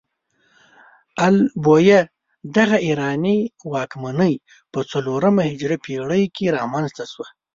ال بویه دغه ایراني واکمنۍ په څلورمه هجري پيړۍ کې رامنځته شوه.